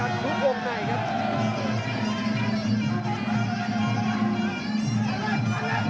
มันกำเท่าที่เขาซ้ายมันกำเท่าที่เขาซ้าย